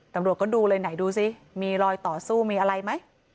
ตำรวจก็ดูเลยไหนดูสิมีรอยต่อสู้มีอะไรไหม